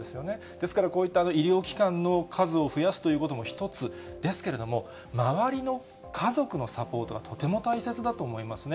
ですから、こういった医療機関の数を増やすということも一つですけれども、周りの家族のサポートがとても大切だと思いますね。